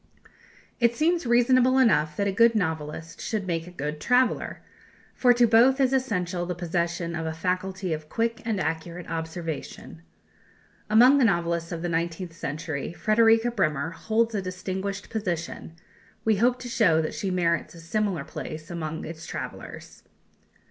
It seems reasonable enough that a good novelist should make a good traveller; for to both is essential the possession of a faculty of quick and accurate observation. Among the novelists of the nineteenth century Frederika Bremer holds a distinguished position; we hope to show that she merits a similar place among its travellers.